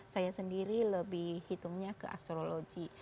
saya sendiri lebih hitungnya ke astrologi